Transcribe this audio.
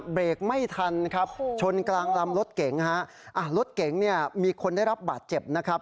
เบรกไม่ทันครับชนกลางลำรถเก๋งฮะอ่ารถเก๋งเนี่ยมีคนได้รับบาดเจ็บนะครับ